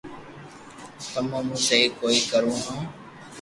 تمو مون سھي ڪوئي ڪرو ھون